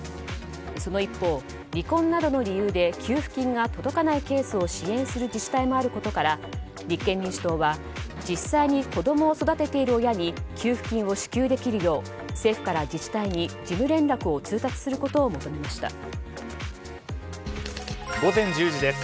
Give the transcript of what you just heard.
その一方、離婚などの理由で給付金が届かないケースを支援する自治体もあることから立憲民主党は実際に子供を育てている親に給付金を支給できるよう政府から自治体に事務連絡を通達することを午前１０時です。